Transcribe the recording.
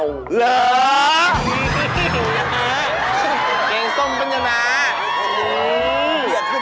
เศษเท่าไร